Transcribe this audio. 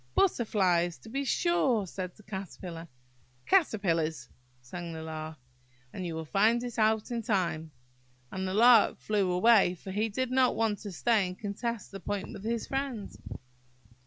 "Butterflies, to be sure," said the Caterpillar. "Caterpillars! " sang the Lark; "and you'll find it out in time;" and the Lark flew away, for he did not want to stay and contest the point with his friend.